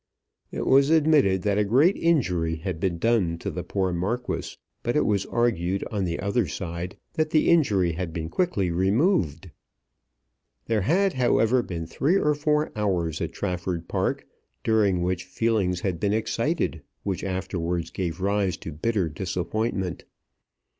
It was admitted that a great injury had been done to the poor Marquis, but it was argued on the other side that the injury had been quickly removed. There had, however, been three or four hours at Trafford Park, during which feelings had been excited which afterwards gave rise to bitter disappointment.